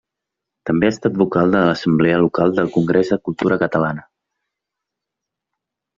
També ha estat vocal de l'assemblea local del Congrés de Cultura Catalana.